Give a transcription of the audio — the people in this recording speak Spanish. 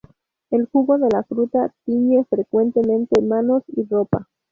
El jugo de la fruta tiñe fuertemente manos y ropa.